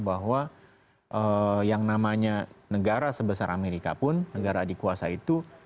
bahwa negara sebesar amerika pun negara dikuasa itu